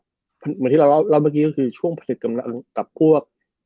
เหมือนที่เราเล่าเมื่อกี้ก็คือช่วงผลิตกำลังกับพวก